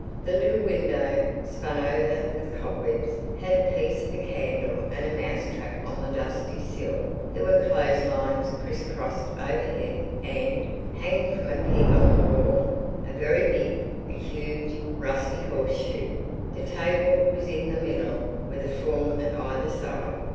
The little window, spun over with cobwebs, had a piece of candle and a mouse trap on the dusty sill. There were clotheslines criss crossed overhead and, hanging from a peg on the wall, a very big, a huge, rusty horseshoe. The table was in the middle with a form at either side.